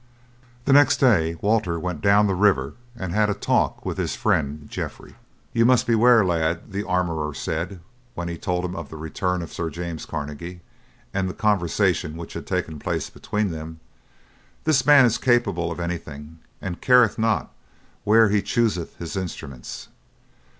The next day Walter went down the river and had a talk with his friend Geoffrey. "You must beware, lad," the armourer said when he told him of the return of Sir James Carnegie and the conversation which had taken place between them. "This man is capable of anything, and careth not where he chooseth his instruments.